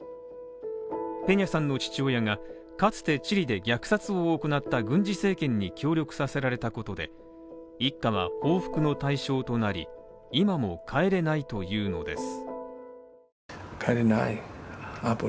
ペニャさんの父親がかつてチリで虐殺を行った軍事政権に協力させられたことで、一家は報復の対象となり、今も帰れないというのです。